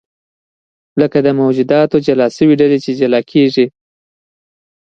لکه د موجوداتو جلا شوې ډلې چې جلا کېږي.